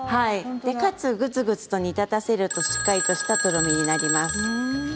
かつ、ぐつぐつと煮立たせるとしっかりとしたとろみになります。